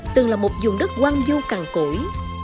từng là một vùng đất quang du cằn củi